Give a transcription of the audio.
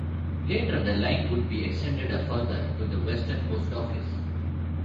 Later, the line would be extended a further to the Weston post office.